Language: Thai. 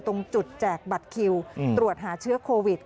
ตรงจุดแจกบัตรคิวตรวจหาเชื้อโควิด